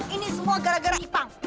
ini semua gara gara ipang